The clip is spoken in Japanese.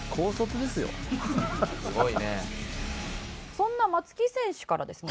そんな松木選手からですね